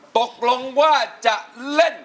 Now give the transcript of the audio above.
ตกลงว่าจะเล่น